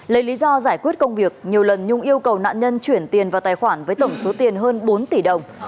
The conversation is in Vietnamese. lấy lý do giải quyết công việc nhiều lần nhung yêu cầu nạn nhân chuyển tiền vào tài khoản với tổng số tiền hơn bốn tỷ đồng